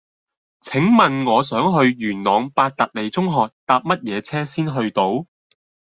請問我想去元朗伯特利中學搭乜嘢車先去到